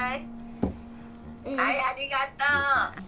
はいありがとう。